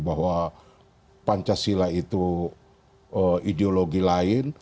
bahwa pancasila itu ideologi lain